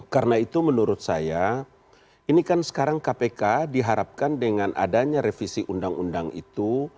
karena itu menurut saya ini kan sekarang kpk diharapkan dengan adanya revisi undang undang itu